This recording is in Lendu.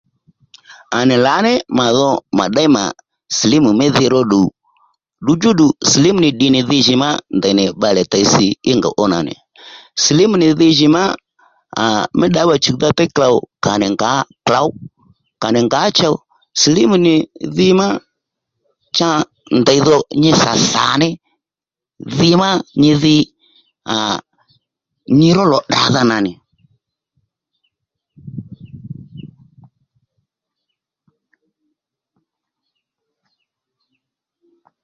À nì lǎní mà dho mà déy mà silimu mí dhi ró ddù ddu djú ddù silimu nì ddì nì dhi jì má ndèynì bbalè tey si í ngòw ó nà nì silimu nì dhi jì má aa mí ddǎwà chùwdha téy klôw kà nì ngǎ klǒw kà nì ngǎ chow silimu nì dhi ma cha ndèy dho nyi sà sàní dhi má nyi dhi aa nyi ró lò tdra dha nà nì